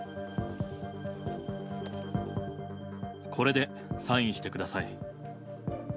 これでサインしてください。